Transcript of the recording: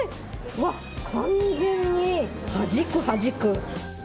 うわっ、完全にはじく、はじく。